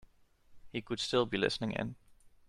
He could still be listening in.